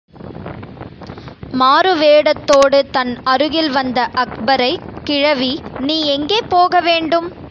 மாறுவேடத்தோடு தன் அருகில் வந்த அக்பரைக் கிழவி, நீ எங்கே போக வேண்டும்?